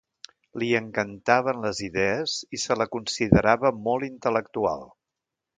Li encantaven les idees i se la considerava molt intel·lectual.